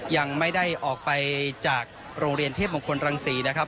ยังไม่ได้ออกไปจากโรงเรียนเทพมงคลรังศรีนะครับ